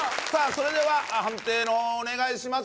それでは判定のほうをお願いします